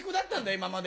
今まで。